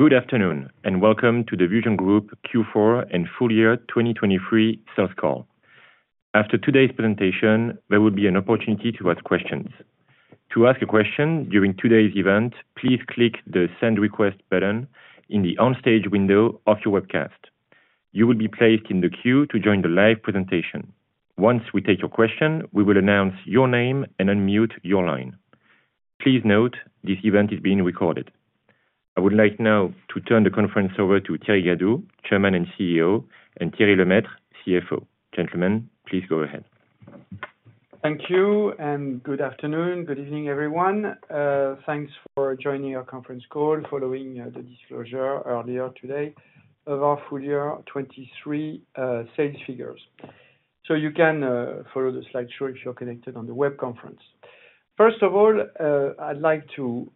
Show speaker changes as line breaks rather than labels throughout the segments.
Good afternoon, and welcome to the VusionGroup Q4 and Full Year 2023 Sales Call. After today's presentation, there will be an opportunity to ask questions. To ask a question during today's event, please click the Send Request button in the On Stage window of your webcast. You will be placed in the queue to join the live presentation. Once we take your question, we will announce your name and unmute your line. Please note, this event is being recorded. I would like now to turn the conference over to Thierry Gadou, Chairman and CEO, and Thierry Lemaître, CFO. Gentlemen, please go ahead.
Thank you and good afternoon. Good evening, everyone. Thanks for joining our conference call, following the disclosure earlier today of our full year 2023 sales figures. So you can follow the slideshow if you're connected on the web conference. First of all, I'd like to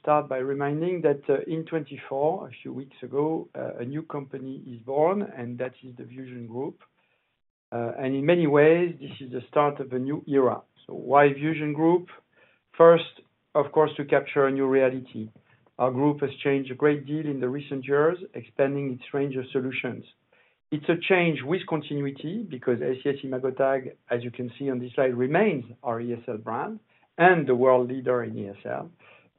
start by reminding that, in 2024, a few weeks ago, a new company is born, and that is VusionGroup. And in many ways, this is the start of a new era. So why VusionGroup? First, of course, to capture a new reality. Our group has changed a great deal in the recent years, expanding its range of solutions. It's a change with continuity because SES-imagotag, as you can see on this slide, remains our ESL brand and the world leader in ESL.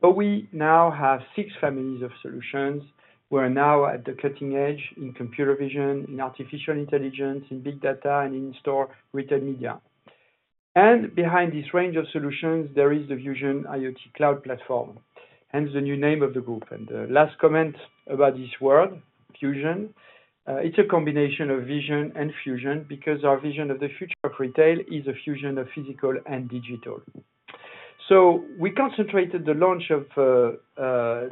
But we now have six families of solutions. We're now at the cutting edge in computer vision, in artificial intelligence, in big data, and in-store retail media. Behind this range of solutions, there is the Vusion IoT cloud platform, hence the new name of the group. The last comment about this word, fusion. It's a combination of vision and fusion because our vision of the future of retail is a fusion of physical and digital. We concentrated the launch of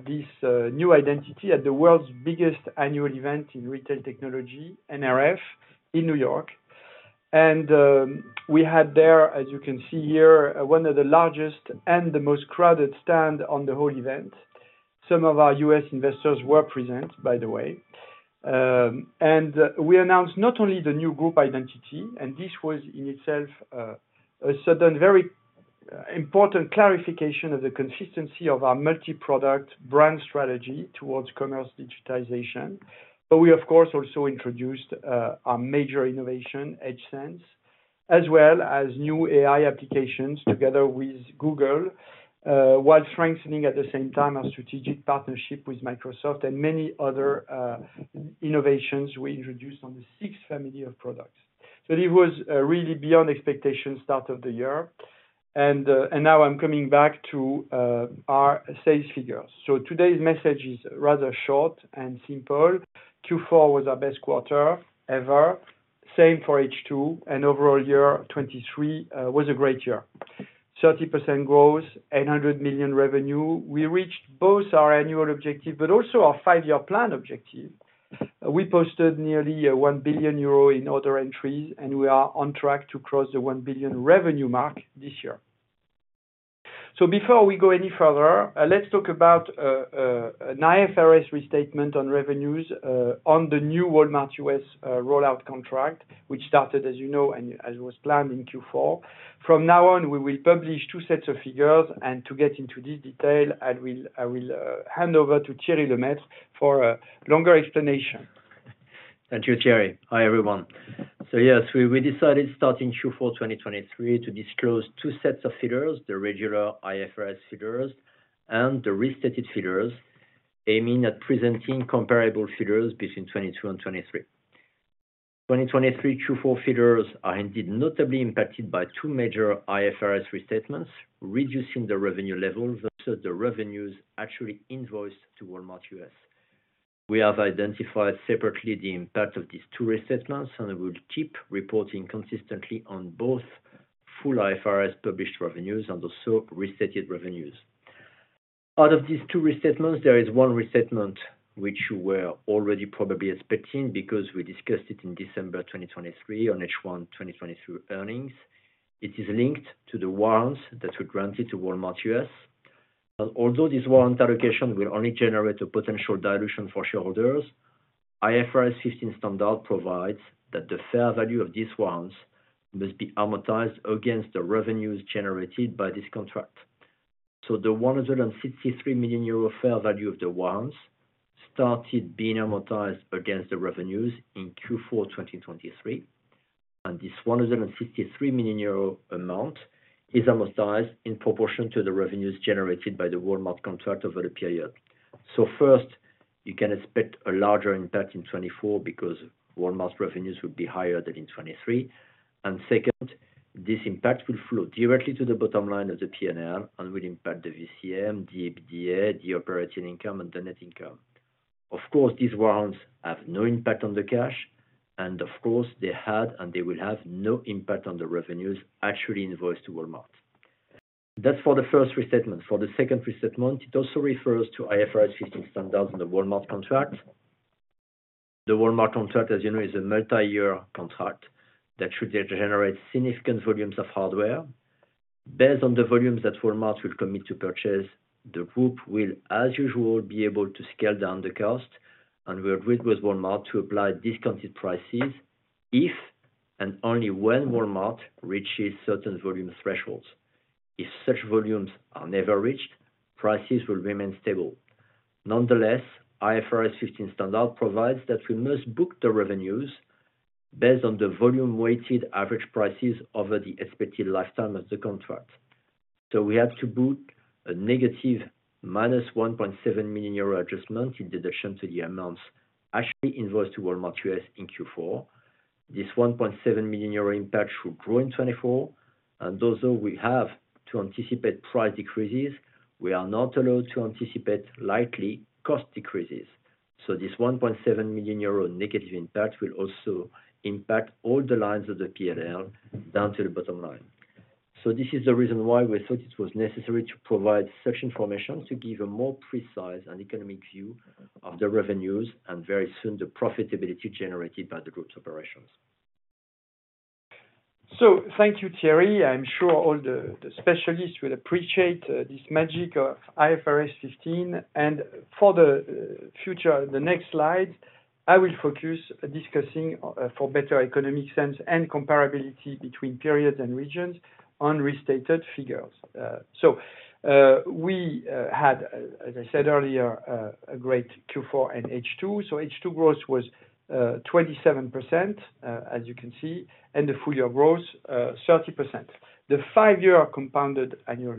this new identity at the world's biggest annual event in retail technology, NRF, in New York. We had there, as you can see here, one of the largest and the most crowded stand on the whole event. Some of our U.S. investors were present, by the way. We announced not only the new group identity, and this was in itself a sudden very important clarification of the consistency of our multi-product brand strategy towards commerce digitization. We, of course, also introduced our major innovation, EdgeSense, as well as new AI applications together with Google while strengthening at the same time our strategic partnership with Microsoft and many other innovations we introduced on the six family of products. So it was really beyond expectation, start of the year. And now I'm coming back to our sales figures. So today's message is rather short and simple. Q4 was our best quarter ever. Same for H2, and overall year 2023 was a great year. 30% growth, 800 million revenue. We reached both our annual objective, but also our five-year plan objective. We posted nearly 1 billion euro in order entries, and we are on track to cross the 1 billion revenue mark this year. So before we go any further, let's talk about an IFRS restatement on revenues, on the new Walmart U.S. rollout contract, which started, as you know, and as was planned in Q4. From now on, we will publish two sets of figures, and to get into this detail, I will hand over to Thierry Lemaître for a longer explanation.
Thank you, Thierry. Hi, everyone. So yes, we decided starting Q4 2023 to disclose two sets of figures, the regular IFRS figures and the restated figures, aiming at presenting comparable figures between 2022 and 2023. 2023 Q4 figures are indeed notably impacted by two major IFRS restatements, reducing the revenue levels, also the revenues actually invoiced to Walmart U.S. We have identified separately the impact of these two restatements, and I will keep reporting consistently on both full IFRS published revenues and also restated revenues. Out of these two restatements, there is one restatement which you were already probably expecting because we discussed it in December 2023 on H1 2023 earnings. It is linked to the warrants that were granted to Walmart U.S. Although this warrant allocation will only generate a potential dilution for shareholders, IFRS 15 standard provides that the fair value of these warrants must be amortized against the revenues generated by this contract. So the 163 million euro fair value of the warrants started being amortized against the revenues in Q4 2023, and this 163 million euro amount is amortized in proportion to the revenues generated by the Walmart contract over the period. So first, you can expect a larger impact in 2024 because Walmart's revenues will be higher than in 2023. And second, this impact will flow directly to the bottom line of the PNL and will impact the VCM, the EBITDA, the operating income, and the net income. Of course, these warrants have no impact on the cash, and of course, they had and they will have no impact on the revenues actually invoiced to Walmart. That's for the first restatement. For the second restatement, it also refers to IFRS 15 standards on the Walmart contract. The Walmart contract, as you know, is a multi-year contract that should generate significant volumes of hardware. Based on the volumes that Walmart will commit to purchase, the group will, as usual, be able to scale down the cost and will agree with Walmart to apply discounted prices if, and only when Walmart reaches certain volume thresholds. If such volumes are never reached, prices will remain stable. Nonetheless, IFRS 15 standard provides that we must book the revenues based on the volume weighted average prices over the expected lifetime of the contract. So we had to book a negative -1.7 million euro adjustment in deduction to the amounts actually invoiced to Walmart U.S. in Q4. This 1.7 million euro impact should grow in 2024, and although we have to anticipate price decreases, we are not allowed to anticipate likely cost decreases. So this 1.7 million euro negative impact will also impact all the lines of the PNL down to the bottom line. So this is the reason why we thought it was necessary to provide such information, to give a more precise and economic view of the revenues and very soon, the profitability generated by the group's operations.
So thank you, Thierry. I'm sure all the, the specialists will appreciate this magic of IFRS 15. And for the future, the next slide, I will focus discussing for better economic sense and comparability between periods and regions on restated figures. So we had, as I said earlier, a great Q4 and H2. So H2 growth was 27%, as you can see, and the full year growth 30%. The five-year compounded annual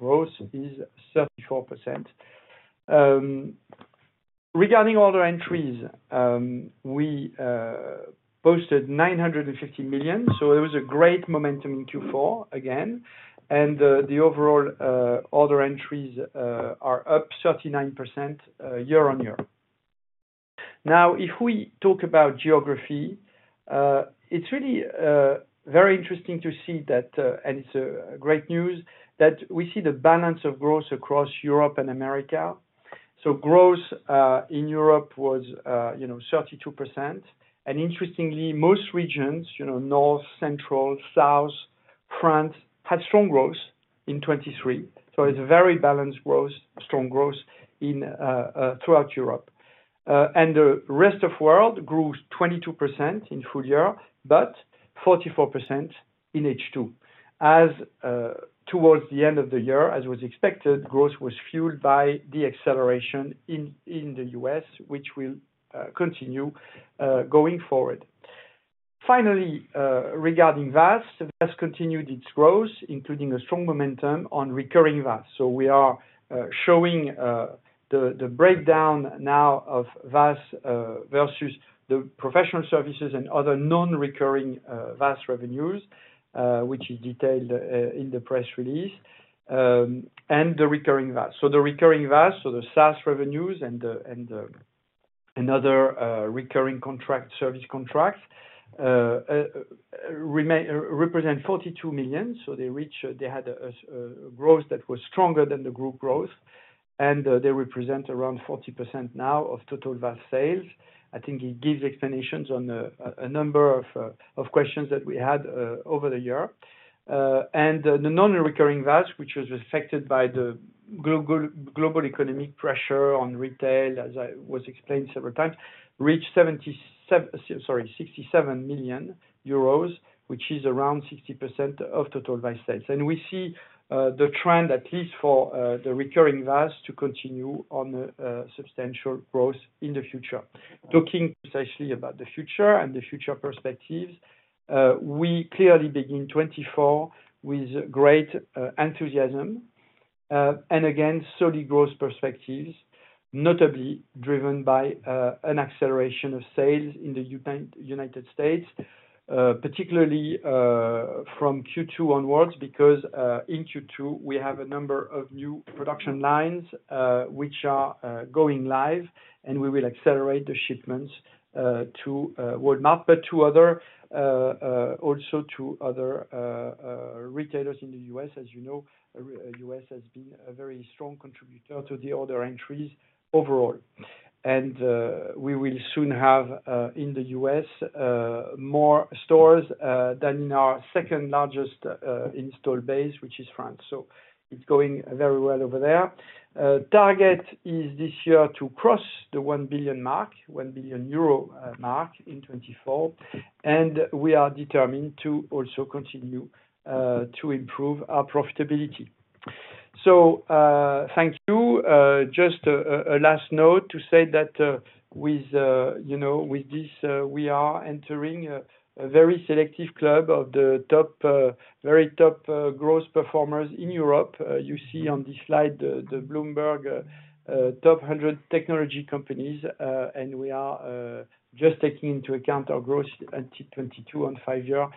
growth is 34%. Regarding order entries, we posted 950 million, so it was a great momentum in Q4 again. And the overall order entries are up 39% year-on-year. Now, if we talk about geography, it's really very interesting to see that, and it's great news, that we see the balance of growth across Europe and America. So growth in Europe was, you know, 32%. And interestingly, most regions, you know, North, Central, South, France, had strong growth in 2023. So it's a very balanced growth, strong growth throughout Europe. And the rest of world grew 22% in full year, but 44% in H2. As towards the end of the year, as was expected, growth was fueled by the acceleration in the U.S., which will continue going forward. Finally, regarding VAS, VAS continued its growth, including a strong momentum on recurring VAS. So we are showing the breakdown now of VAS versus the professional services and other non-recurring VAS revenues, which is detailed in the press release and the recurring VAS. So the recurring VAS, so the SaaS revenues and the other recurring contract service contracts remain... represent 42 million. So they reach, they had a growth that was stronger than the group growth, and they represent around 40% now of total VAS sales. I think it gives explanations on a number of questions that we had over the year. And the non-recurring VAS, which was affected by the global economic pressure on retail, as I was explained several times, reached sev, sorry, 67 million euros, which is around 60% of total VAS sales. And we see the trend, at least for the recurring VAS, to continue on substantial growth in the future. Talking precisely about the future and the future perspectives, we clearly begin 2024 with great enthusiasm, and again, solid growth perspectives, notably driven by an acceleration of sales in the United States, particularly from Q2 onwards, because in Q2, we have a number of new production lines which are going live, and we will accelerate the shipments to Walmart, but to other also to other retailers in the U.S. As you know, U.S. has been a very strong contributor to the order entries overall. And we will soon have in the U.S. more stores than in our second largest install base, which is France. So it's going very well over there. Target is this year to cross the 1 billion mark in 2024, and we are determined to also continue to improve our profitability. Thank you. Just a last note to say that, with you know, with this, we are entering a very selective club of the top very top growth performers in Europe. You see on this slide, the Bloomberg top 100 technology companies, and we are just taking into account our growth until 2022 on five-year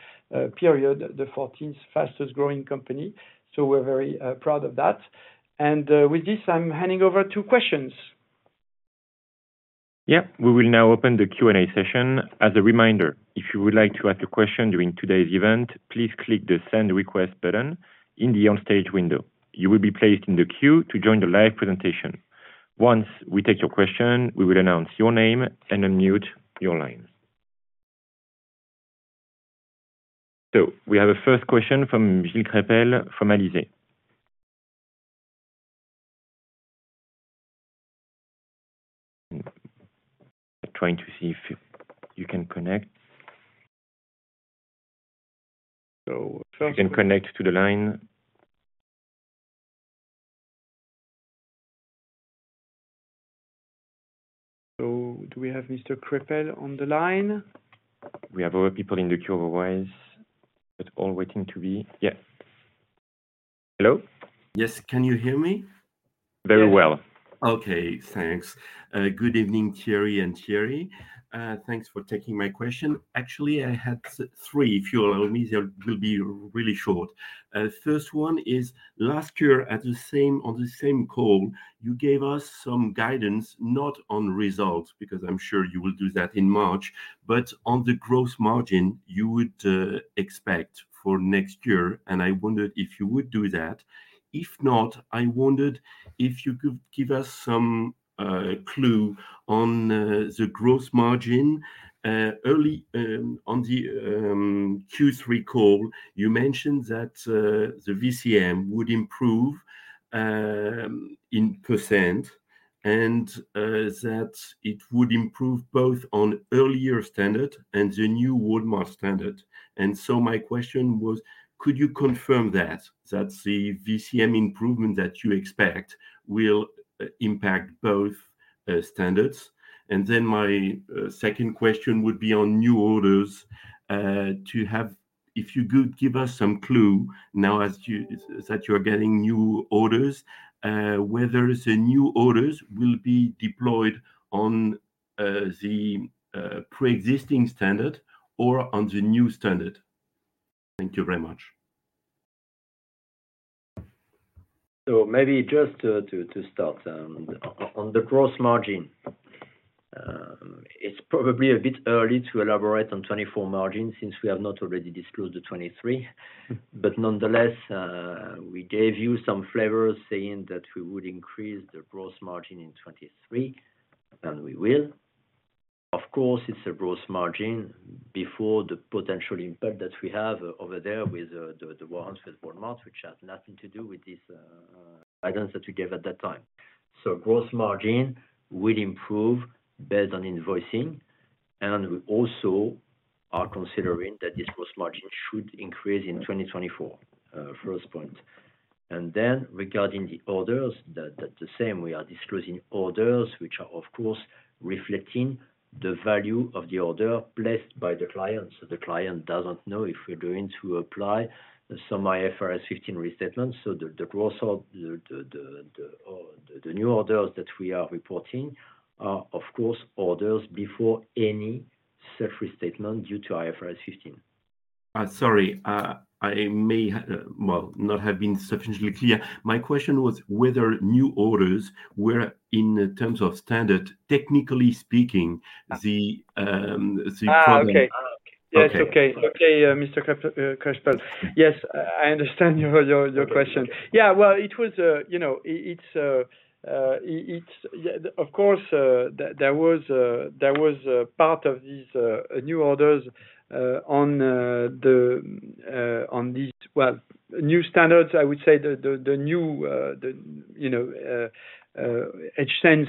period, the 14th fastest growing company. So we're very proud of that. With this, I'm handing over to questions.
Yeah. We will now open the Q&A session. As a reminder, if you would like to ask a question during today's event, please click the Send Request button in the Onstage window. You will be placed in the queue to join the live presentation. Once we take your question, we will announce your name and unmute your line. So we have a first question from Gilles Crespel from Alizés.... I'm trying to see if you, you can connect.
So-
You can connect to the line.
Do we have Mr. Crespel on the line?
We have other people in the queue, otherwise, but all waiting to be... Yeah. Hello?
Yes. Can you hear me?
Very well.
Okay, thanks. Good evening, Thierry and Thierry. Thanks for taking my question. Actually, I had three, if you allow me, they will be really short. First one is, last year, on the same call, you gave us some guidance, not on results, because I'm sure you will do that in March, but on the gross margin you would expect for next year, and I wondered if you would do that. If not, I wondered if you could give us some clue on the gross margin. Early on the Q3 call, you mentioned that the VCM would improve in percent and that it would improve both on earlier standard and the new Walmart standard. And so my question was: could you confirm that the VCM improvement that you expect will impact both standards? My second question would be on new orders. If you could give us some clue now as to whether you are getting new orders, whether the new orders will be deployed on the pre-existing standard or on the new standard. Thank you very much.
So maybe just to start on the gross margin. It's probably a bit early to elaborate on 2024 margin since we have not already disclosed the 2023. But nonetheless, we gave you some flavor, saying that we would increase the gross margin in 2023, and we will. Of course, it's a gross margin before the potential impact that we have over there with the warrants with Walmart, which has nothing to do with this guidance that we gave at that time. So gross margin will improve based on invoicing, and we also are considering that this gross margin should increase in 2024, first point. And then, regarding the orders, the same, we are disclosing orders which are, of course, reflecting the value of the order placed by the client. The client doesn't know if we're going to apply some IFRS 15 restatements, so the gross of the new orders that we are reporting are, of course, orders before any self-restatement due to IFRS 15.
Sorry, I may well not have been sufficiently clear. My question was whether new orders were, in terms of standard, technically speaking, the-
Ah, okay.
Okay.
Yes, okay. Okay, Mr. Crespel. Yes, I understand your question. Yeah, well, it was, you know, it's... Of course, there was a part of these new orders on these well new standards, I would say, the new, you know, Edge Sense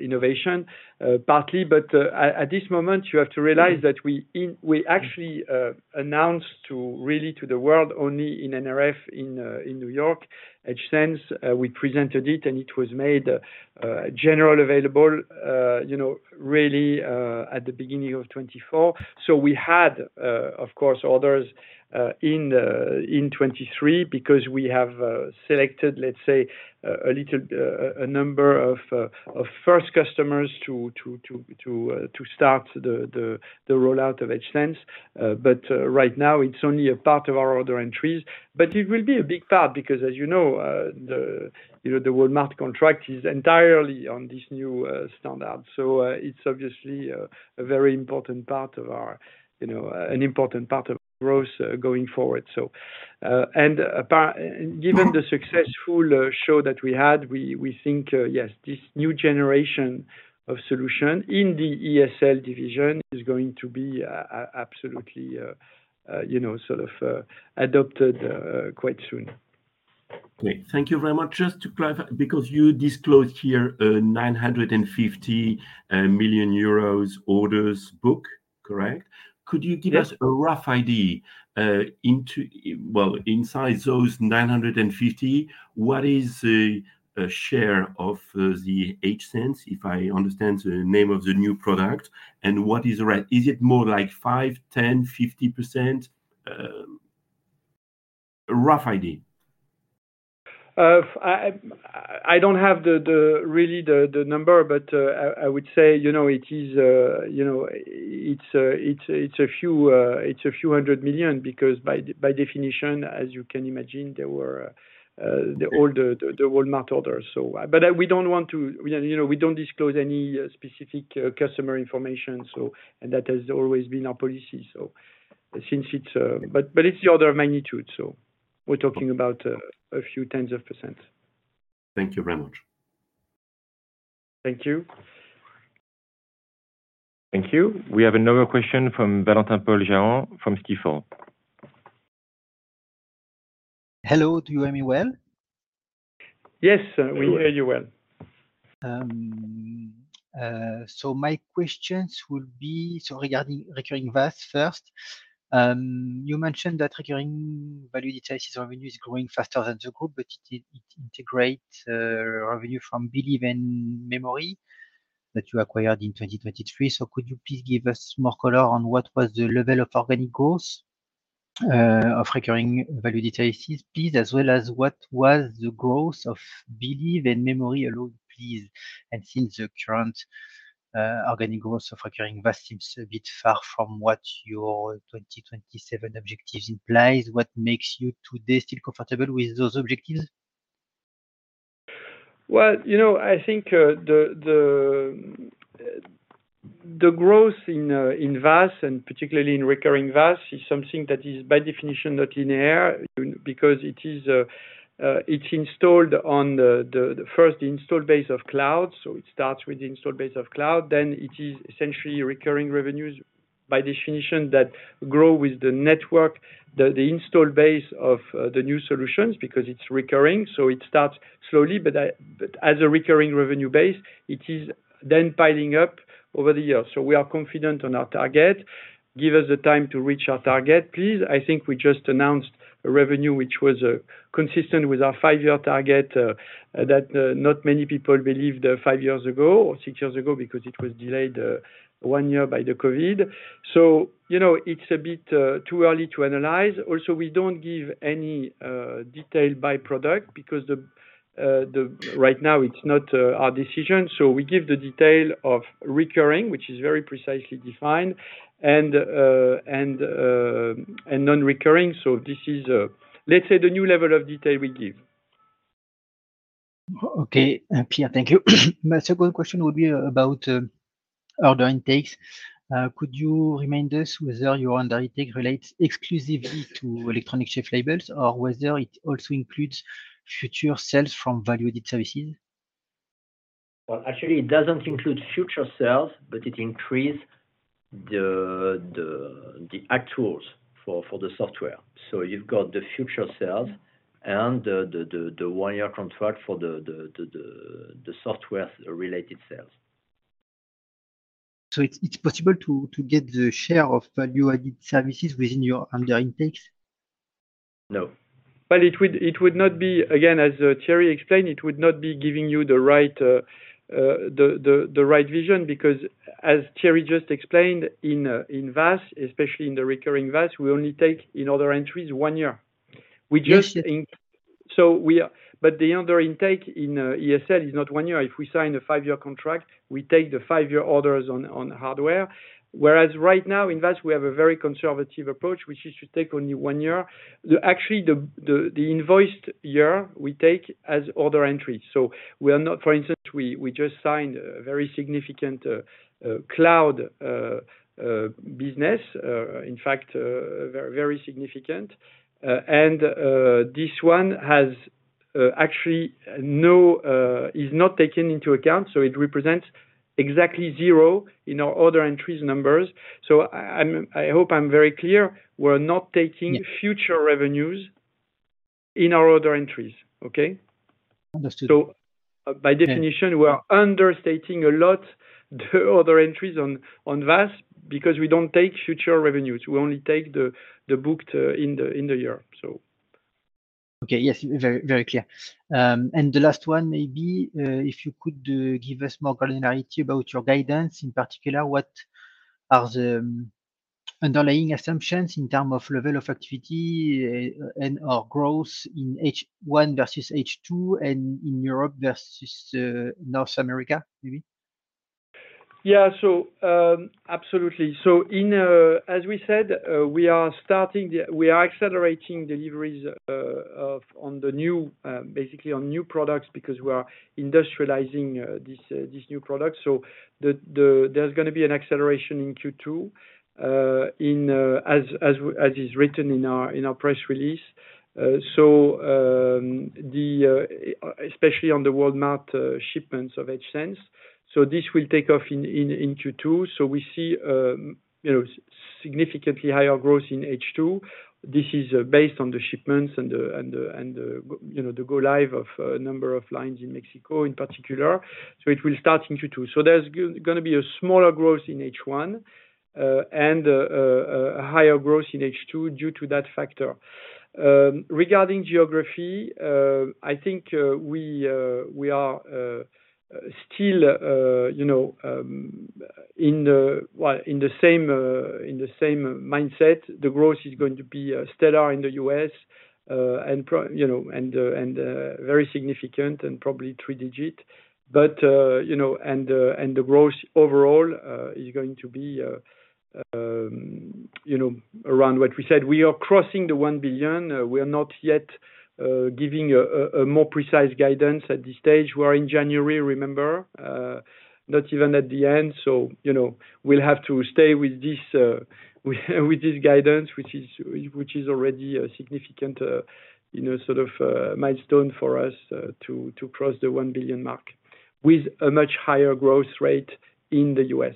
innovation, partly. But at this moment, you have to realize that we—we actually announced to really to the world only in NRF in New York, Edge Sense, we presented it, and it was made general available, you know, really at the beginning of 2024. So we had, of course, orders in 2023 because we have selected, let's say, a little number of first customers to start the rollout of EdgeSense. But right now, it's only a part of our order entries, but it will be a big part because, as you know, the Walmart contract is entirely on this new standard. So it's obviously a very important part of our, you know, an important part of growth going forward, so. And given the successful show that we had, we think yes, this new generation of solution in the ESL division is going to be absolutely, you know, sort of adopted quite soon.
Great. Thank you very much. Just to clarify, because you disclosed here, 950 million euros order book, correct?
Yes.
Could you give us a rough idea, well, inside those 950 million, what is the share of the EdgeSense, if I understand the name of the new product, is it more like 5%, 10%, 50%? A rough idea.
I don't have the real number, but I would say, you know, it is, you know, it's a few hundred million EUR, because by definition, as you can imagine, there were the older Walmart orders, so... But we don't want to, you know, we don't disclose any specific customer information, so. And that has always been our policy, so since it's... But it's the order of magnitude, so we're talking about a few tens of %.
Thank you very much.
Thank you.
Thank you. We have another question from Valentin-Paul Jahan from Stifel....
Hello, do you hear me well?
Yes, we hear you well.
So my questions will be regarding Recurring VAS first. You mentioned that Recurring Value Added Services revenue is growing faster than the group, but it integrate revenue from Belive and Memory that you acquired in 2023. So could you please give us more color on what was the level of organic growth of Recurring Value Added Services, please, as well as what was the growth of Belive and Memory alone, please? And since the current organic growth of Recurring VAS seems a bit far from what your 2027 objectives implies, what makes you today still comfortable with those objectives?
Well, you know, I think, the growth in VAS, and particularly in Recurring VAS, is something that is, by definition, not linear, because it is, it's installed on the first install base of cloud. So it starts with the install base of cloud, then it is essentially recurring revenues, by definition, that grow with the network, the install base of the new solutions, because it's recurring. So it starts slowly, but as a recurring revenue base, it is then piling up over the years. So we are confident on our target. Give us the time to reach our target, please. I think we just announced a revenue which was consistent with our five-year target that not many people believed five years ago or six years ago because it was delayed one year by the COVID. So, you know, it's a bit too early to analyze. Also, we don't give any detail by product because right now, it's not our decision. So we give the detail of recurring, which is very precisely defined, and non-recurring. So this is, let's say, the new level of detail we give.
Okay, Thierry, thank you. My second question would be about order intakes. Could you remind us whether your order intake relates exclusively to electronic shelf labels, or whether it also includes future sales from value-added services?
Well, actually, it doesn't include future sales, but it increase the actuals for the software. So you've got the future sales and the one-year contract for the software-related sales.
It's possible to get the share of value-added services within your order intakes?
No.
But it would not be, again, as Thierry explained, it would not be giving you the right vision because as Thierry just explained, in VAS, especially in the Recurring VAS, we only take in order entries one year. We just in-
Yes.
But the order intake in ESL is not one year. If we sign a five-year contract, we take the five-year orders on hardware, whereas right now in VAS, we have a very conservative approach, which is to take only one year. Actually, the invoiced year we take as order entry. So we are not, for instance, we just signed a very significant cloud business, in fact, very significant. And this one has actually, no, is not taken into account, so it represents exactly zero in our order entries numbers. So I hope I'm very clear. We're not taking-
Yes...
future revenues in our order entries. Okay?
Understood.
So by definition.
Yeah...
we are understating a lot the order entries on VAS because we don't take future revenues. We only take the booked in the year, so.
Okay. Yes, very, very clear. And the last one, maybe, if you could give us more clarity about your guidance, in particular, what are the underlying assumptions in term of level of activity, and/or growth in H1 versus H2 and in Europe versus North America, maybe?
Yeah. So, absolutely. So in, as we said, we are starting the... We are accelerating deliveries, of, on the new, basically on new products because we are industrializing, this, this new product. So the, there's gonna be an acceleration in Q2, as is written in our, in our press release. So, the, especially on the world map, shipments of EdgeSense. So this will take off in Q2. So we see, you know, significantly higher growth in H2. This is, based on the shipments and the, and the, you know, the go live of, number of lines in Mexico in particular. So it will start in Q2. So there's gonna be a smaller growth in H1, and a higher growth in H2 due to that factor. Regarding geography, I think we are still, you know, in the, well, in the same mindset. The growth is going to be stellar in the U.S., and, you know, and very significant and probably three-digit. But, you know, and the growth overall is going to be, you know, around what we said. We are crossing 1 billion. We are not yet giving a more precise guidance at this stage. We are in January, remember, not even at the end. You know, we'll have to stay with this guidance, which is already a significant, you know, sort of, milestone for us, to cross the 1 billion mark with a much higher growth rate in the U.S....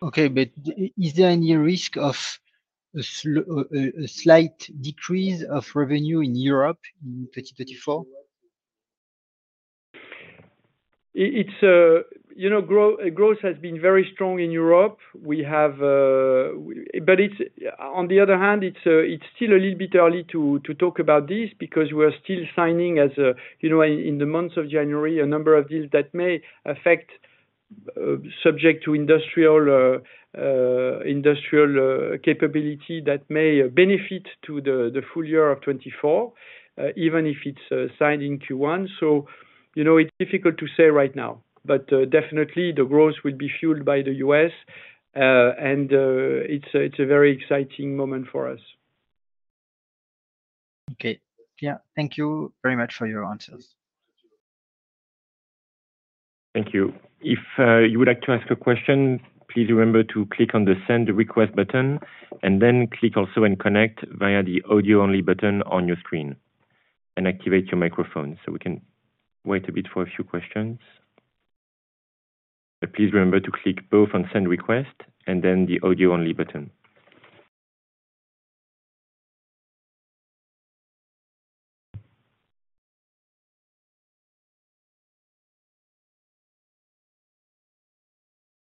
Okay, but is there any risk of a slight decrease of revenue in Europe in 2024?
It's, you know, growth has been very strong in Europe. We have, but it's on the other hand, it's still a little bit early to talk about this because we're still signing as, you know, in the months of January, a number of deals that may affect, subject to industrial capability that may benefit to the full year of 2024, even if it's signed in Q1. So, you know, it's difficult to say right now, but definitely the growth will be fueled by the U.S., and it's a very exciting moment for us.
Okay. Yeah. Thank you very much for your answers.
Thank you. If you would like to ask a question, please remember to click on the Send Request button and then click also and connect via the Audio Only button on your screen and activate your microphone. So we can wait a bit for a few questions, but please remember to click both on Send Request and then the Audio Only button.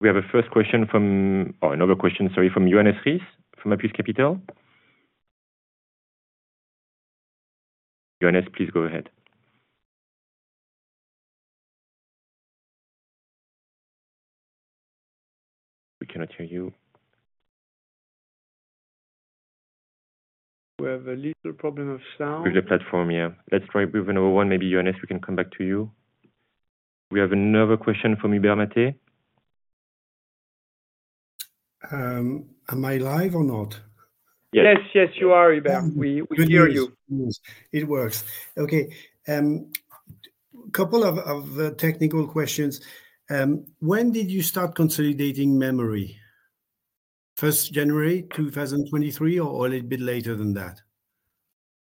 We have a first question from... or another question, sorry, from Johannes Ries from Apus Capital. Johannes, please go ahead. We cannot hear you.
We have a little problem of sound.
With the platform, yeah. Let's try with another one, maybe, Johannes, we can come back to you. We have another question from Hubert Mathet.
Am I live or not?
Yes. Yes, you are, Hubert. We, we hear you.
Good news. It works. Okay, couple of technical questions. When did you start consolidating Memory? First January 2023, or a little bit later than that?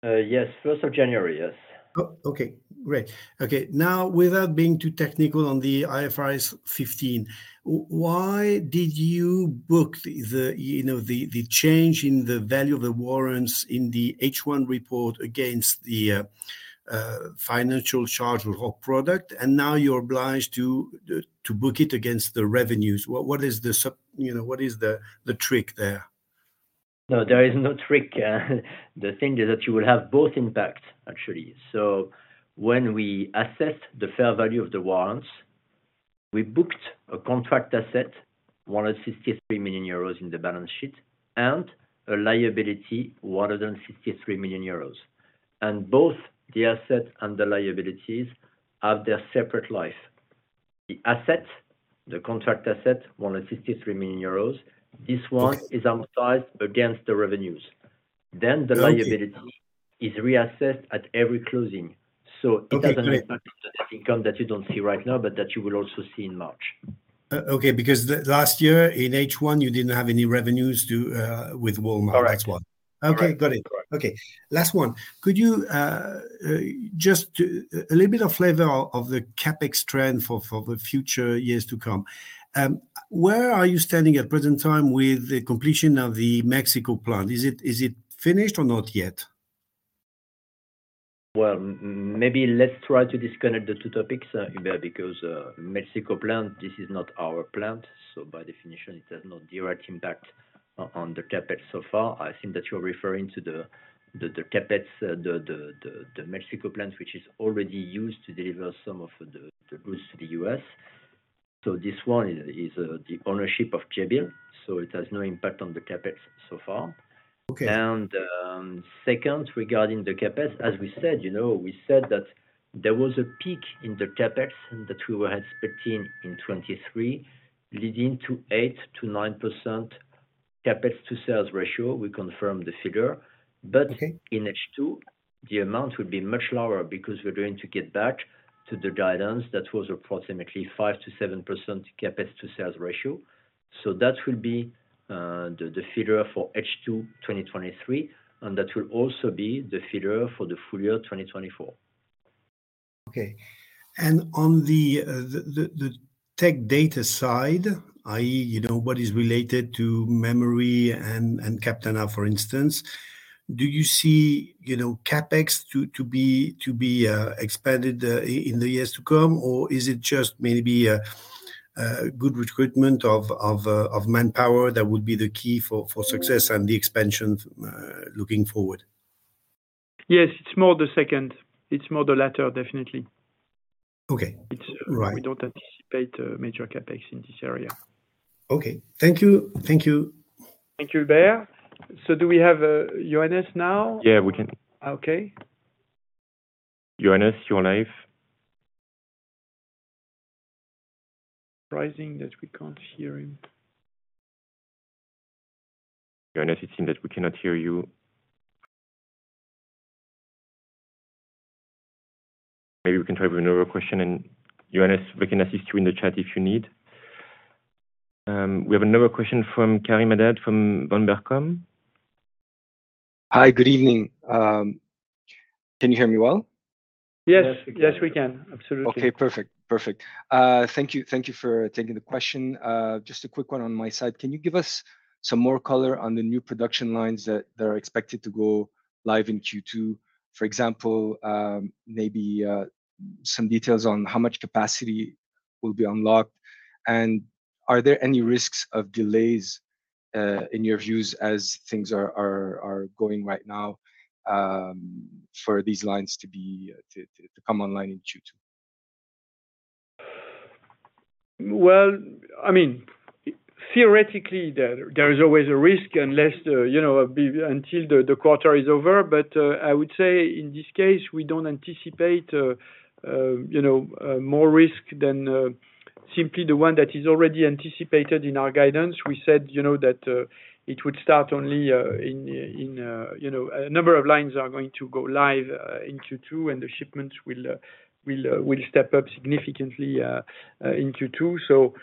Yes, first of January. Yes.
Oh, okay. Great. Okay, now, without being too technical on the IFRS 15, why did you book the, you know, the change in the value of the warrants in the H1 report against the financial charge of whole product, and now you're obliged to book it against the revenues? You know, what is the trick there?
No, there is no trick. The thing is that you will have both impact, actually. So when we assess the fair value of the warrants, we booked a contract asset, 153 million euros in the balance sheet, and a liability more than 53 million euros. And both the assets and the liabilities have their separate life. The assets, the contract asset, 153 million euros, this one-
Okay...
is amortized against the revenues.
Okay.
Then the liability is reassessed at every closing.
Okay, great.
It has an impact on the net income that you don't see right now, but that you will also see in March.
Okay, because the last year, in H1, you didn't have any revenues to, with Walmart.
Correct.
That's why.
Right.
Okay, got it.
Right.
Okay, last one. Could you... a little bit of flavor of the CapEx trend for the future years to come. Where are you standing at present time with the completion of the Mexico plant? Is it finished or not yet?
Well, maybe let's try to disconnect the two topics, Hubert, because, Mexico plant, this is not our plant. So by definition, it has no direct impact on the CapEx so far. I think that you're referring to the CapEx, the Mexico plant, which is already used to deliver some of the goods to the U.S. So this one is, the ownership of Jabil, so it has no impact on the CapEx so far.
Okay.
Second, regarding the CapEx, as we said, you know, we said that there was a peak in the CapEx that we were expecting in 2023, leading to 8%-9% CapEx to sales ratio. We confirm the figure.
Okay.
But in H2, the amount will be much lower because we're going to get back to the guidance that was approximately 5%-7% CapEx to sales ratio. So that will be the figure for H2, 2023, and that will also be the figure for the full year of 2024.
Okay. And on the tech data side, i.e., you know, what is related to Memory and Captana, for instance, do you see, you know, CapEx to be expanded in the years to come? Or is it just maybe a good recruitment of manpower that would be the key for success and the expansion looking forward?
Yes, it's more the second. It's more the latter, definitely.
Okay. Right.
We don't anticipate a major CapEx in this area.
Okay. Thank you. Thank you.
Thank you, Hubert. So do we have Johannes now?
Yeah, we can.
Okay.
Johannes, you're on live.
Surprising that we can't hear him.
Johannes, it seems that we cannot hear you. Maybe we can try with another question, and Johannes, we can assist you in the chat if you need. We have another question from Virgile Haddad from Bernstein....
Hi, good evening. Can you hear me well?
Yes, yes, we can. Absolutely.
Okay, perfect. Perfect. Thank you, thank you for taking the question. Just a quick one on my side: can you give us some more color on the new production lines that are expected to go live in Q2? For example, maybe some details on how much capacity will be unlocked, and are there any risks of delays, in your views as things are going right now, for these lines to be to come online in Q2?
Well, I mean, theoretically, there is always a risk unless, you know, until the quarter is over. But I would say in this case, we don't anticipate, you know, more risk than simply the one that is already anticipated in our guidance. We said, you know, that it would start only in... You know, a number of lines are going to go live in Q2, and the shipments will step up significantly in Q2. So,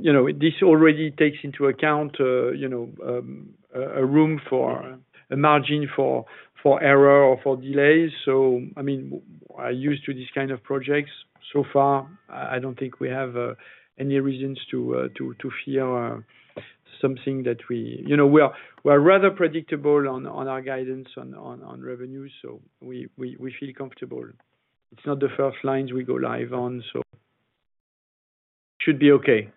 you know, this already takes into account, you know, a room for a margin for error or for delays. So, I mean, we're used to these kind of projects. So far, I don't think we have any reasons to fear something that we... You know, we are rather predictable on our guidance on revenue, so we feel comfortable. It's not the first lines we go live on, so should be okay.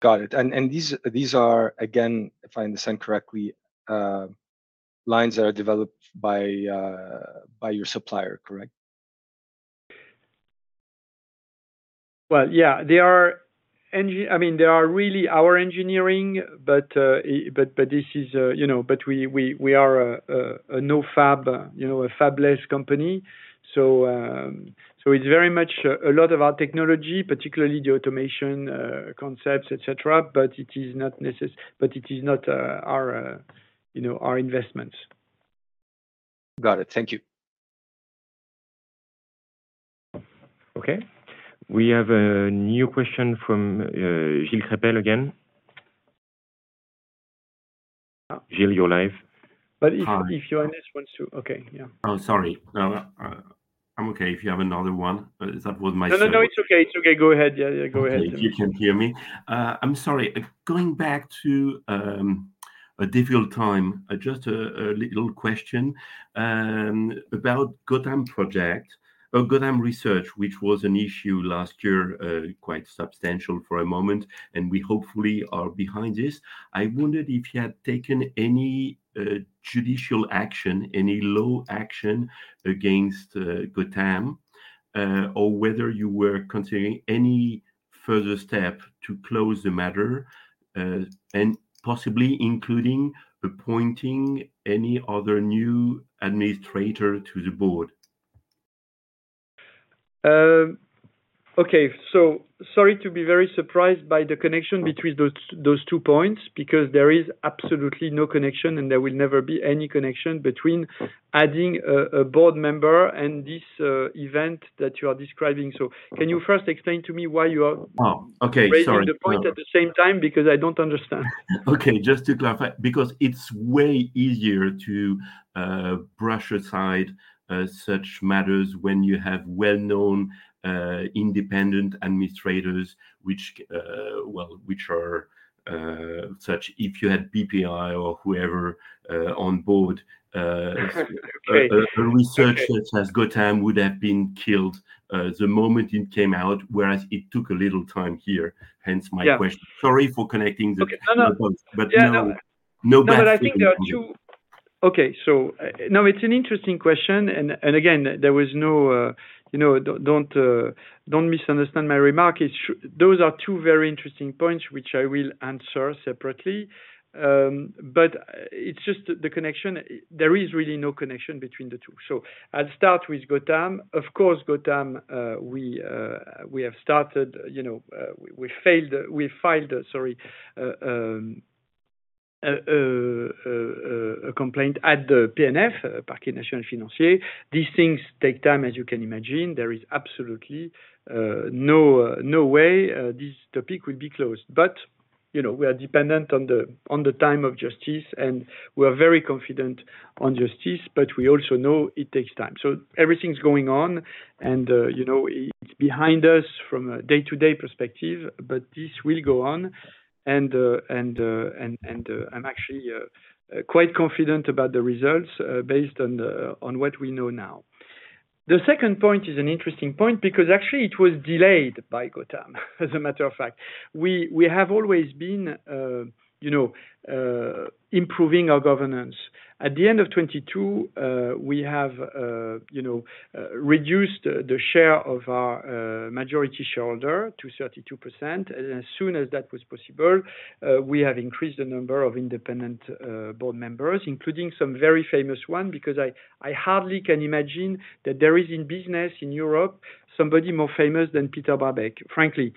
Got it. These are, again, if I understand correctly, lines that are developed by your supplier, correct?
Well, yeah. I mean, they are really our engineering, but this is, you know... But we are a no-fab, you know, a fabless company. So, it's very much a lot of our technology, particularly the automation concepts, et cetera, but it is not our, you know, our investments.
Got it. Thank you.
Okay. We have a new question from, Gilles Crespel again. Gilles, you're live.
But if Johannes wants to... Okay, yeah.
Oh, sorry. No, I'm okay if you have another one, but that was my-
No, no, no, it's okay. It's okay, go ahead. Yeah, yeah, go ahead.
Okay, if you can hear me. I'm sorry, going back to a difficult time, just a little question about Gotham City Research, which was an issue last year, quite substantial for a moment, and we hopefully are behind this. I wondered if you had taken any judicial action, any law action against Gotham, or whether you were considering any further step to close the matter, and possibly including appointing any other new administrator to the board.
Okay. So sorry to be very surprised by the connection between those, those two points, because there is absolutely no connection, and there will never be any connection between adding a, a board member and this, event that you are describing. So can you first explain to me why you are-
Oh, okay. Sorry.
Raising the point at the same time? Because I don't understand.
Okay, just to clarify, because it's way easier to brush aside such matters when you have well-known independent administrators, which well, which are such. If you had BPI or whoever on board,
Great...
a research that says Gotham would have been killed the moment it came out, whereas it took a little time here, hence my question.
Yeah.
Sorry for connecting the-
Okay. No, no....
the dots.
Yeah, no.
No, no backs-
But I think there are two. Okay, so, no, it's an interesting question. And again, there was no. You know, don't, don't, don't misunderstand my remark. Those are two very interesting points, which I will answer separately. But it's just the connection. There is really no connection between the two. So I'll start with Gotham. Of course, Gotham, we have started, you know, we filed, sorry, a complaint at the PNF, Parquet National Financier. These things take time, as you can imagine. There is absolutely no way this topic will be closed. But, you know, we are dependent on the time of justice, and we are very confident on justice, but we also know it takes time. So everything's going on, and, you know, it's behind us from a day-to-day perspective, but this will go on. And, I'm actually quite confident about the results, based on what we know now. The second point is an interesting point because actually it was delayed by Gotham. As a matter of fact, we have always been, you know, improving our governance. At the end of 2022, we have, you know, reduced the share of our majority shareholder to 32%. And as soon as that was possible, we have increased the number of independent board members, including some very famous one, because I hardly can imagine that there is, in business in Europe, somebody more famous than Peter Brabeck-Letmathe, frankly.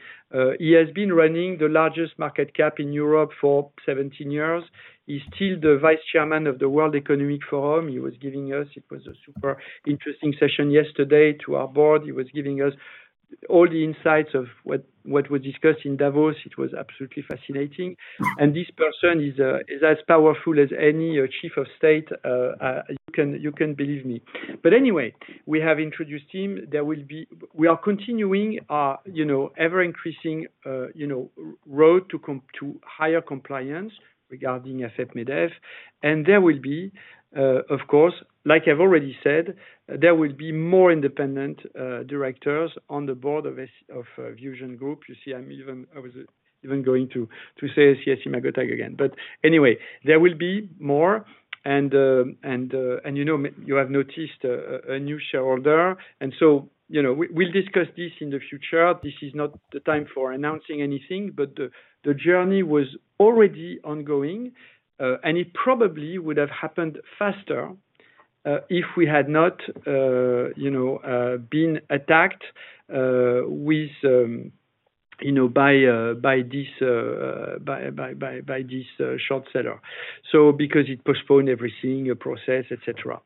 He has been running the largest market cap in Europe for 17 years. He's still the Vice Chairman of the World Economic Forum. He was giving us... It was a super interesting session yesterday to our board. He was giving us all the insights of what was discussed in Davos. It was absolutely fascinating. And this person is as powerful as any chief of state. You can believe me. But anyway, we have introduced him. There will be—we are continuing our, you know, ever-increasing, you know, road to higher compliance regarding AFEP-Medef. And there will be, of course, like I've already said, there will be more independent directors on the board of VusionGroup. You see, I was even going to say SES-imagotag again, but anyway, there will be more. And you know, you have noticed a new shareholder, and so, you know, we'll discuss this in the future. This is not the time for announcing anything, but the journey was already ongoing, and it probably would have happened faster, if we had not you know, been attacked with you know, by this short seller. So because it postponed everything, the process, et cetera.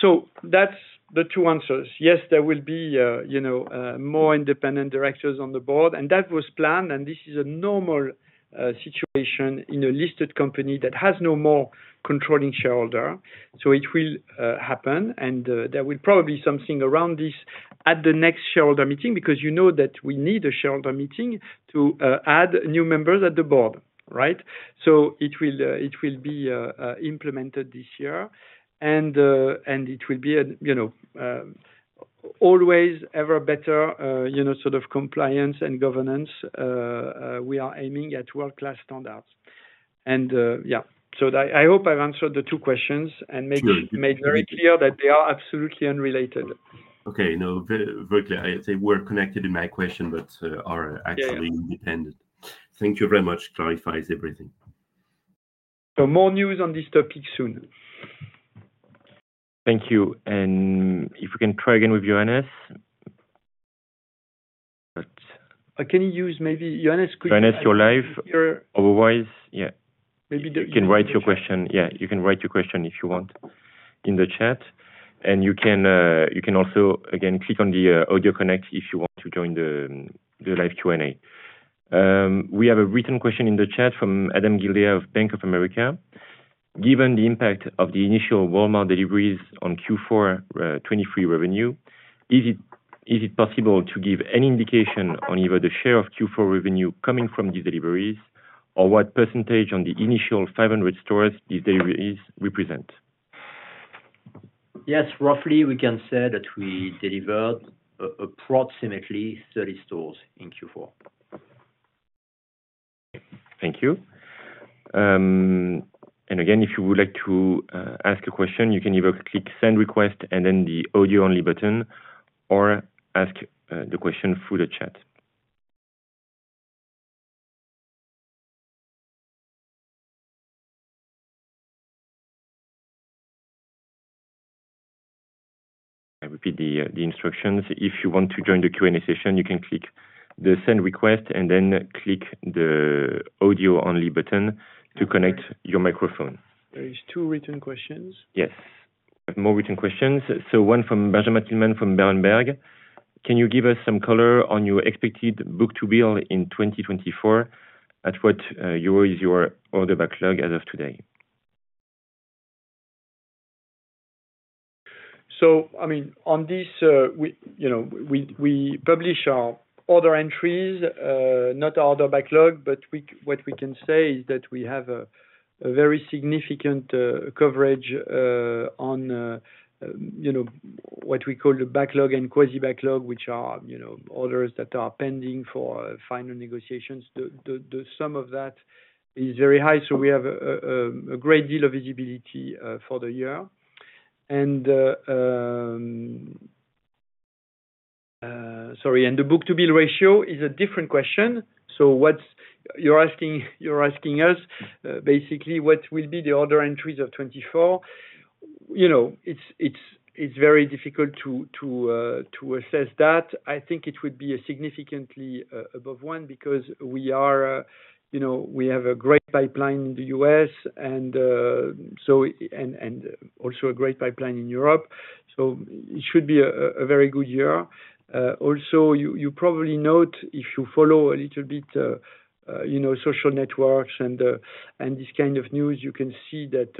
So that's the two answers. Yes, there will be you know, more independent directors on the board, and that was planned, and this is a normal situation in a listed company that has no more controlling shareholder. So it will happen, and there will probably be something around this at the next shareholder meeting, because you know that we need a shareholder meeting to add new members at the board, right? So it will it will be implemented this year, and and it will be a, you know, always ever better, you know, sort of compliance and governance. We are aiming at world-class standards. And yeah, so I, I hope I've answered the two questions and make-
Sure.
made very clear that they are absolutely unrelated.
Okay, no, very clear. I say we're connected in my question, but, are actually-
Yeah.
Independent. Thank you very much, clarifies everything.
More news on this topic soon.
Thank you, and if we can try again with Johannes?
But, can you use maybe Johannes, could-
Johannes, you're live. Otherwise, yeah.
Maybe the-
You can write your question. Yeah, you can write your question if you want in the chat, and you can also, again, click on the audio connect if you want to join the live Q&A. We have a written question in the chat from Adam Gildea of Bank of America. "Given the impact of the initial Walmart deliveries on Q4 2023 revenue, is it possible to give any indication on either the share of Q4 revenue coming from the deliveries, or what percentage on the initial 500 stores these deliveries represent?
Yes, roughly we can say that we delivered approximately 30 stores in Q4.
Thank you. And again, if you would like to ask a question, you can either click Send Request and then the Audio Only button, or ask the question through the chat. I repeat the instructions. If you want to join the Q&A session, you can click the Send Request and then click the Audio Only button to connect your microphone.
There is two written questions.
Yes. More written questions, so one from Benjamin Thielmann, from Berenberg: "Can you give us some color on your expected book-to-bill in 2024? At what year is your order backlog as of today?
So, I mean, on this, we, you know, we publish our order entries, not order backlog, but what we can say is that we have a very significant coverage on, you know, what we call the backlog and quasi-backlog, which are, you know, orders that are pending for final negotiations. The sum of that is very high, so we have a great deal of visibility for the year. And, sorry, and the book-to-bill ratio is a different question. So what's... You're asking us basically, what will be the order entries of 2024? You know, it's very difficult to assess that. I think it would be a significantly above one, because we are, you know, we have a great pipeline in the U.S. and, so, and, and also a great pipeline in Europe, so it should be a very good year. Also, you probably note, if you follow a little bit, you know, social networks and this kind of news, you can see that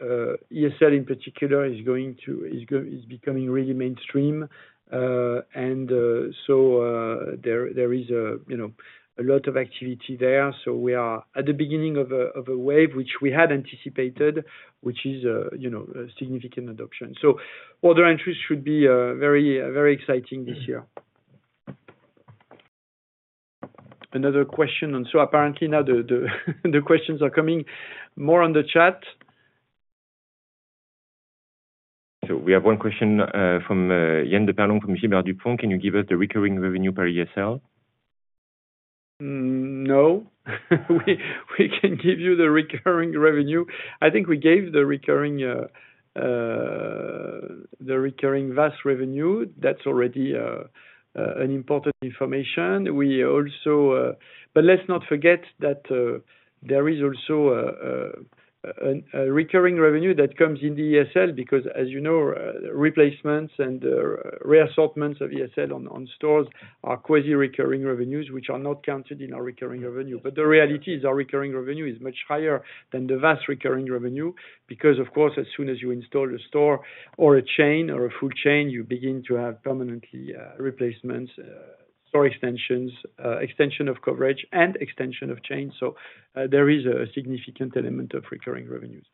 ESL in particular is becoming really mainstream. And so there is a, you know, a lot of activity there. So we are at the beginning of a wave, which we had anticipated, which is, you know, a significant adoption. So order entries should be very, very exciting this year. Another question, and so apparently now the questions are coming more on the chat.
We have one question from Yann de Partevaux from Gilbert Dupont: "Can you give us the recurring revenue per ESL?
No. We can give you the recurring revenue. I think we gave the recurring VAS revenue, that's already an important information. We also—But let's not forget that there is also a recurring revenue that comes in the ESL, because, as you know, replacements and reassortments of ESL on stores are quasi-recurring revenues, which are not counted in our recurring revenue. But the reality is, our recurring revenue is much higher than the VAS recurring revenue because, of course, as soon as you install a store or a chain or a food chain, you begin to have permanently replacements, store extensions, extension of coverage and extension of chains. So, there is a significant element of recurring revenues.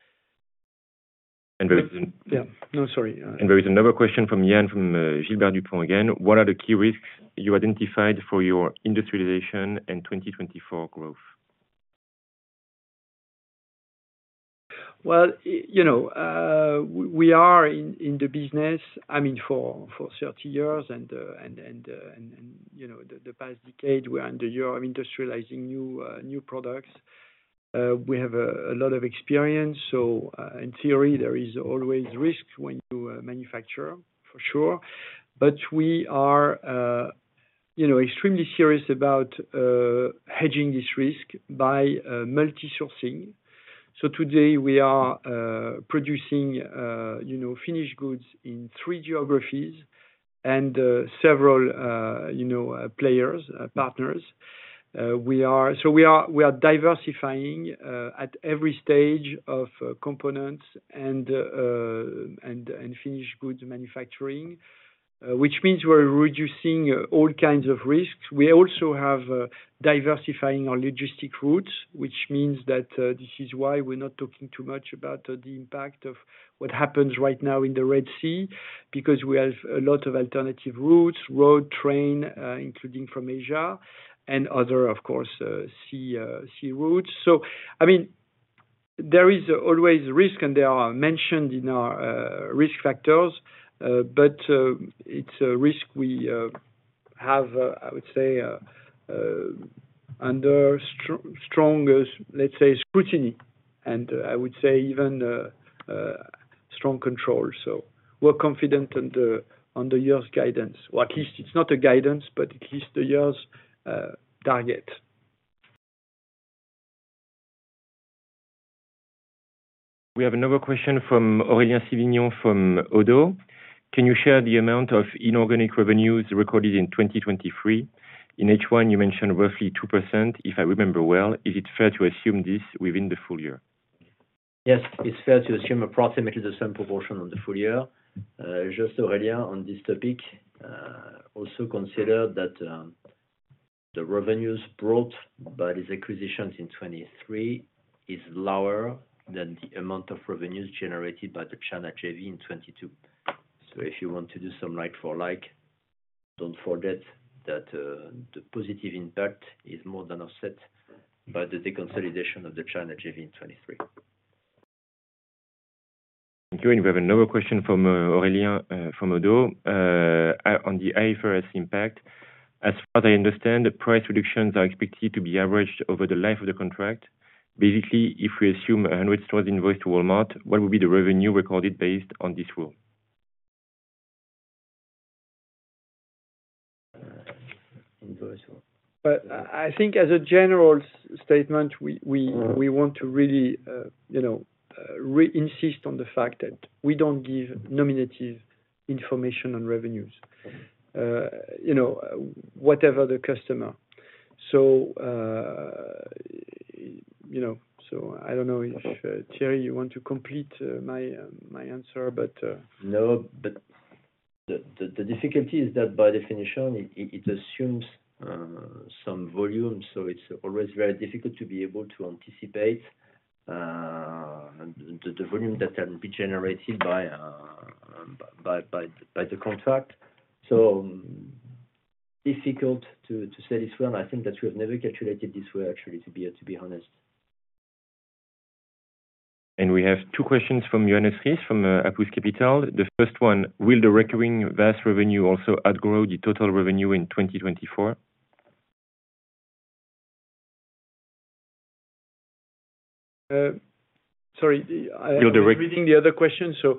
And there is-
Yeah. No, sorry,
There is another question from Yann, from Gilbert Dupont again. What are the key risks you identified for your industrialization in 2024 growth?
Well, you know, we are in the business, I mean, for 30 years and, you know, the past decade, we're under year of industrializing new products. We have a lot of experience, so in theory, there is always risk when you manufacture, for sure. But we are, you know, extremely serious about hedging this risk by multi-sourcing. So today we are producing, you know, finished goods in three geographies and several, you know, players, partners. So we are diversifying at every stage of components and finished goods manufacturing, which means we're reducing all kinds of risks. We also have diversifying our logistic routes, which means that this is why we're not talking too much about the impact of what happens right now in the Red Sea, because we have a lot of alternative routes, road, train, including from Asia and other, of course, sea routes. So, I mean, there is always risk, and they are mentioned in our risk factors, but it's a risk we have, I would say, under stronger, let's say, scrutiny, and I would say even strong control. So we're confident on the year's guidance, or at least it's not a guidance, but at least the year's target.
We have another question from Aurélien Sivignon from Oddo. Can you share the amount of inorganic revenues recorded in 2023? In H1, you mentioned roughly 2%, if I remember well. Is it fair to assume this within the full year?
Yes, it's fair to assume approximately the same proportion on the full year. Just Aurélien, on this topic, also consider that, the revenues brought by these acquisitions in 2023 is lower than the amount of revenues generated by the China JV in 2022. So if you want to do some like for like, don't forget that, the positive impact is more than offset by the deconsolidation of the China JV in 2023.
Thank you. We have another question from Aurélien from Oddo. On the IFRS impact, as far as I understand, the price reductions are expected to be averaged over the life of the contract. Basically, if we assume 100 stores invoice to Walmart, what would be the revenue recorded based on this rule?
I'm very sure.
But I think as a general statement, we want to really, you know, re-insist on the fact that we don't give nominative information on revenues, you know, whatever the customer. So, you know, so I don't know if Thierry, you want to complete my answer, but-
No, but the difficulty is that, by definition, it assumes some volume, so it's always very difficult to be able to anticipate the volume that can be generated by the contract. So difficult to say this well, and I think that we have never calculated this way, actually, to be honest.
We have two questions from Johannes Ries from Apus Capital. The first one, will the recurring VAS revenue also outgrow the total revenue in 2024?
Sorry.
The re-
I was reading the other question, so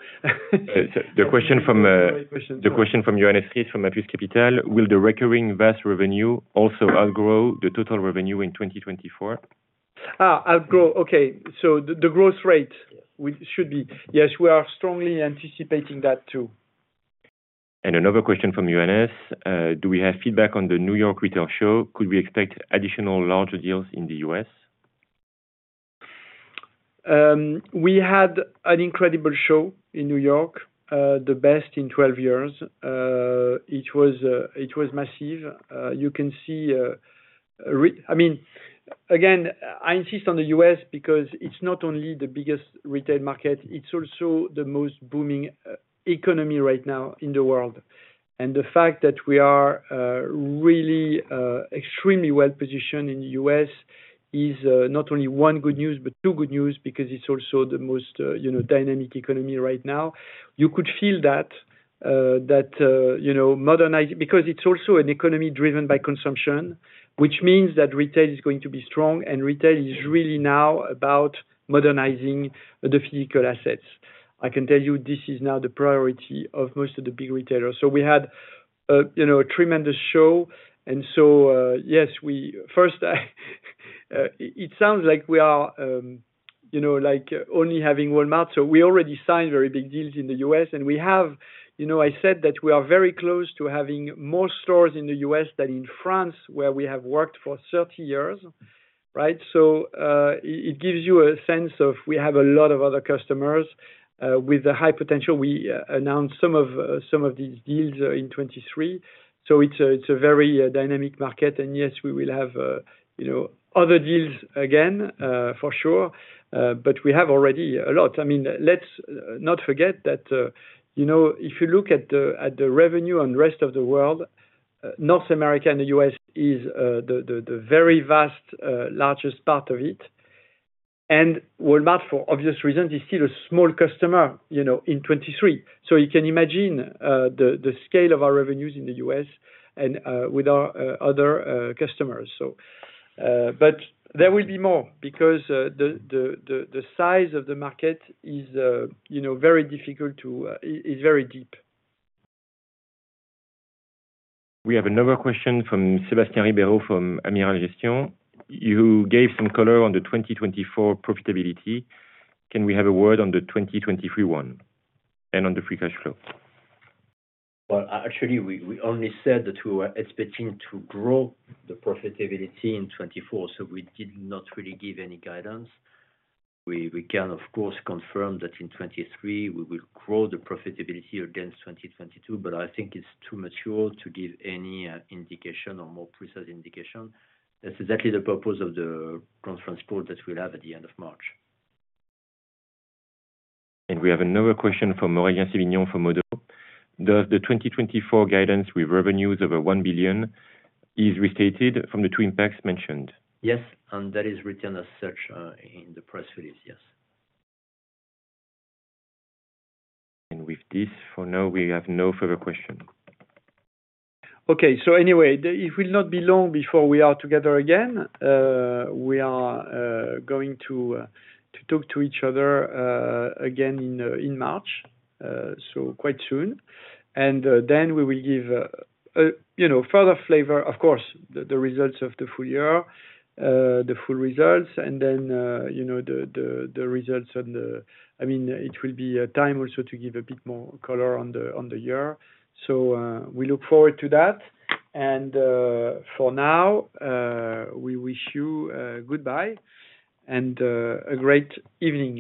The question from
Question
The question from Johannes Ries from Apus Capital, will the recurring VAS revenue also outgrow the total revenue in 2024?
Ah, outgrow. Okay. So the growth rate-
Yes.
Yes, we are strongly anticipating that, too.
Another question from Johannes. Do we have feedback on the New York Retail Show? Could we expect additional larger deals in the U.S.?
We had an incredible show in New York, the best in 12 years. It was massive. You can see, I mean, again, I insist on the U.S. because it's not only the biggest retail market, it's also the most booming economy right now in the world. The fact that we are really extremely well-positioned in the U.S. is not only one good news, but two good news, because it's also the most you know, dynamic economy right now. You could feel that that you know, modernize, because it's also an economy driven by consumption, which means that retail is going to be strong, and retail is really now about modernizing the physical assets. I can tell you this is now the priority of most of the big retailers. So we had, you know, a tremendous show. And so, yes, we... First, it sounds like we are, you know, like only having Walmart. So we already signed very big deals in the U.S., and we have, you know, I said that we are very close to having more stores in the U.S. than in France, where we have worked for 30 years, right? So, it gives you a sense of we have a lot of other customers, with a high potential. We announced some of these deals in 2023. So it's a very dynamic market, and yes, we will have, you know, other deals again, for sure. But we have already a lot. I mean, let's not forget that, you know, if you look at the revenue on the rest of the world, North America and the U.S. is the very vast largest part of it. And Walmart, for obvious reasons, is still a small customer, you know, in 2023. So you can imagine, the size of the market is, you know, very difficult to... is very deep.
We have another question from Sébastien Ribeiro, from Amiral Gestion. You gave some color on the 2024 profitability. Can we have a word on the 2023 one, and on the Free Cash Flow?
Well, actually, we only said that we were expecting to grow the profitability in 2024, so we did not really give any guidance. We can, of course, confirm that in 2023 we will grow the profitability against 2022, but I think it's too mature to give any indication or more precise indication. That's exactly the purpose of the conference call that we'll have at the end of March.
We have another question from Aurélien Sivignon, from Oddo. Does the 2024 guidance with revenues over 1 billion is restated from the twin packs mentioned?
Yes, and that is written as such, in the press release. Yes.
With this, for now, we have no further question.
Okay. So anyway, it will not be long before we are together again. We are going to talk to each other again in March, so quite soon. And then we will give, you know, further flavor, of course, the results of the full year, the full results, and then, you know, I mean, it will be a time also to give a bit more color on the year. So, we look forward to that, and for now, we wish you goodbye and a great evening.